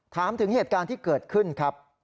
ถามถึงเหตุการณ์ที่เกิดขึ้นครับ